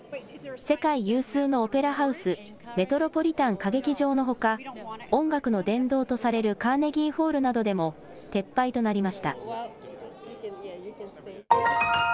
世界有数のオペラハウス、メトロポリタン歌劇場のほか音楽の殿堂とされるカーネギーホールなどでも撤廃となりました。